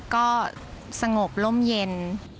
ก็สงบร่มเย็น